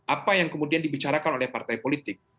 apa yang kemudian dibicarakan oleh partai politik